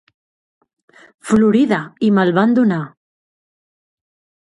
Florida, i me'l van donar.